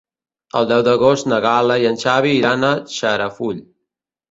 El deu d'agost na Gal·la i en Xavi iran a Xarafull.